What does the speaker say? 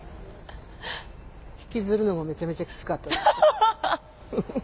引きずるのもめちゃめちゃきつかった。